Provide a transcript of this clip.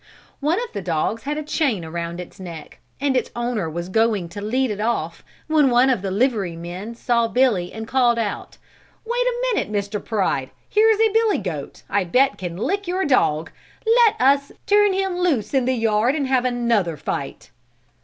One of the dogs had a chain around its neck and its owner was going to lead it off when one of the livery men saw Billy and called out: "Wait a minute Mr. Pride, here's a Billy goat I bet can lick your dog. Let us turn them loose in the yard and have another fight."